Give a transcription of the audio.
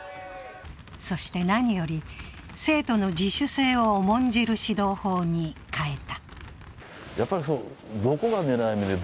そしてなにより、生徒の自主性を重んじる指導法に変えた。